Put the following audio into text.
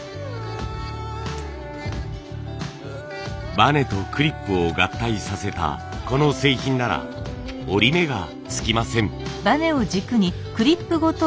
バネとクリップを合体させたこの製品なら折り目がつきません。